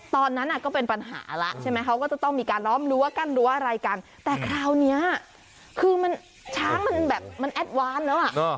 ตอนนั้นก็เป็นปัญหาแล้วใช่ไหมเขาก็จะต้องมีการล้อมรั้วกั้นรั้วอะไรกันแต่คราวนี้คือมันช้างมันแบบมันแอดวานแล้วอ่ะ